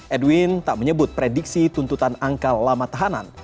edwin tak menyebut prediksi tuntutan angka lama tahanan